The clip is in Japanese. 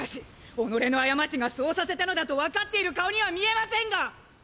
己の過ちがそうさせたのだとわかっている顔には見えませんが！